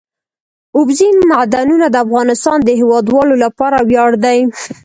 اوبزین معدنونه د افغانستان د هیوادوالو لپاره ویاړ دی.